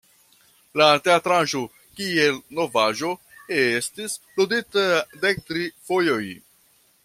La teatraĵo, kiel novaĵo, estis ludita dektri fojojn.